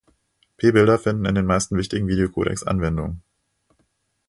P-Bilder finden in den meisten wichtigen Video-Codecs Anwendung.